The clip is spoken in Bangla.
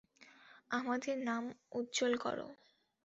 আমাদের নাম উজ্জ্বল করো।